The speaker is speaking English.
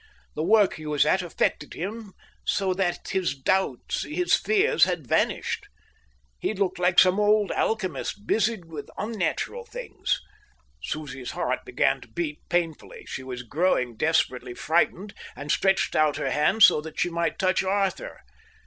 The work he was at affected him so that his doubts, his fears, had vanished. He looked like some old alchemist busied with unnatural things. Susie's heart began to beat painfully. She was growing desperately frightened and stretched out her hand so that she might touch Arthur.